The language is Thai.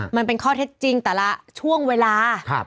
มันเป็นข้อเท็จจริงแต่ละช่วงเวลา